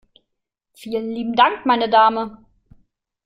Vielen lieben Dank, meine Dame!